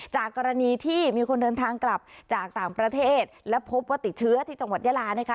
จากกรณีที่มีคนเดินทางกลับจากต่างประเทศและพบว่าติดเชื้อที่จังหวัดยาลานะคะ